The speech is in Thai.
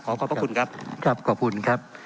ขอขอบพระคุณครับครับขอบคุณครับ